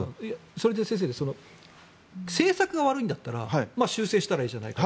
それで、先生政策が悪いんだったら修正したらいいじゃないか。